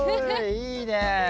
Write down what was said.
いいね！